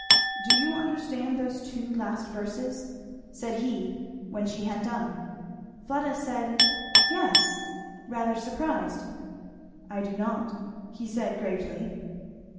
"Do you understand those two last verses?" said he when she had done. Fleda said "Yes!" rather surprised. "I do not," he said gravely.